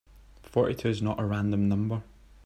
Forty-two is not a random number.